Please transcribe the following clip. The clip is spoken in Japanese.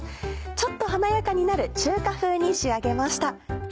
ちょっと華やかになる中華風に仕上げました。